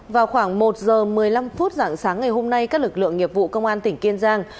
vào khoảng một giờ một mươi năm phút dạng sáng ngày hôm nay các lực lượng nghiệp vụ công an tỉnh kiên giang